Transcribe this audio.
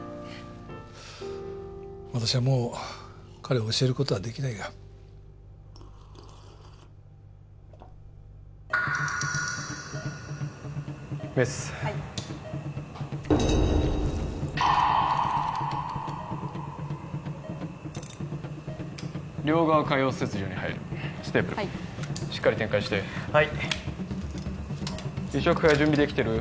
私はもう彼を教えることはできないがメスはい両側下葉切除に入るステープルはいしっかり展開してはい移植肺準備できてる？